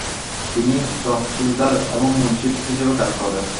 তিনি তহসিলদার এবং মুন্সিফ হিসেবে কাজ করেন।